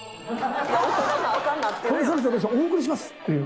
「お送りします」っていう。